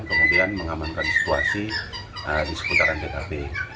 kemudian mengamankan situasi di sekitaran dprp